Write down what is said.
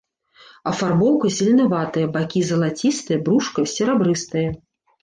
Афарбоўка зеленаватая, бакі залацістыя, брушка серабрыстае.